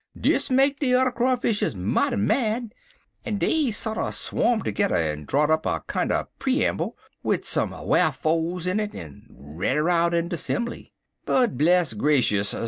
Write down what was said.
"Dis make de udder Crawfishes mighty mad, en dey sorter swarmed tergedder en draw'd up a kinder peramble wid some wharfo'es in it, en read her out in de 'sembly. But, bless grashus!